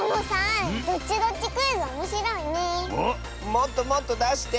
もっともっとだして！